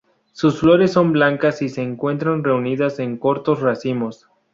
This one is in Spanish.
Sus flores son blancas y se encuentran reunidas en cortos racimos.